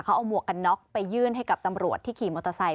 เขาเอาหมวกกันน็อกไปยื่นให้กับตำรวจที่ขี่มอเตอร์ไซค